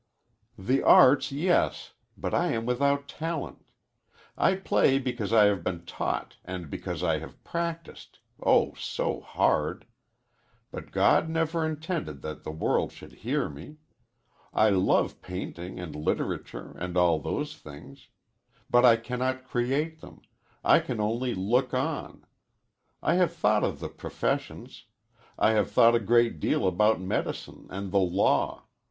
"The arts, yes, but I am without talent. I play because I have been taught, and because I have practiced oh, so hard! But God never intended that the world should hear me. I love painting and literature, and all those things. But I cannot create them. I can only look on. I have thought of the professions I have thought a great deal about medicine and the law.